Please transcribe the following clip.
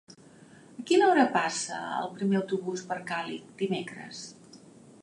A quina hora passa el primer autobús per Càlig dimecres?